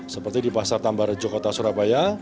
seperti di pasar tambar jogota surabaya